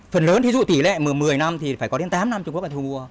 phần lớn thì dụ tỷ lệ một mươi năm thì phải có đến tám năm trung quốc phải thu mua